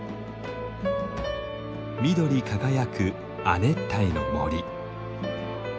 緑輝く亜熱帯の森。